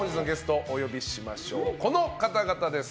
早速、この方々です。